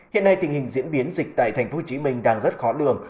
hiện nay tình hình diễn biến dịch tại tp hcm đang rất khó lường